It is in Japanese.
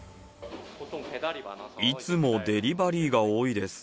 いつもデリバリーが多いです。